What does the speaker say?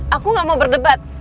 aku gak mau berdebat